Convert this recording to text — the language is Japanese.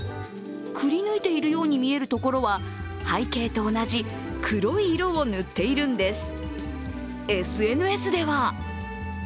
くり抜いているように見えるところは、背景と同じ黒い色を塗っているんです。